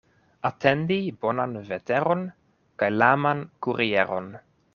Atendi bonan veteron kaj laman kurieron.